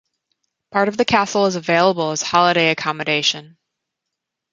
Part of the castle is available as holiday accommodation.